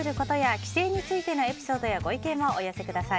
帰省についてのエピソードやご意見をお寄せください。